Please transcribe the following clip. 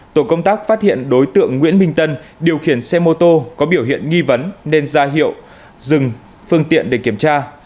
tổ công tác phát hiện đối tượng nguyễn minh tân điều khiển xe mô tô có biểu hiện nghi vấn nên ra hiệu dừng phương tiện để kiểm tra